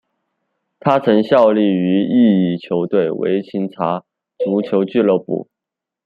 他曾效力于意乙球队维琴察足球俱乐部。